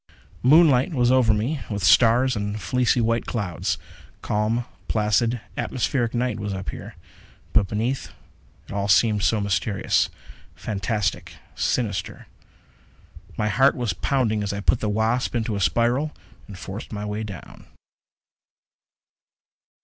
Moonlight was over me, with stars and fleecy white clouds. Calm, placid, atmospheric night was up here. But beneath, it all seemed so mysterious, fantastic, sinister. My heart was pounding as I put the Wasp into a spiral and forced my way down.